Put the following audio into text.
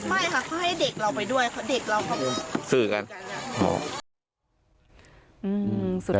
ไม่ค่ะเขาให้เด็กเราไปด้วยเพราะเด็กเราก็สื่อกัน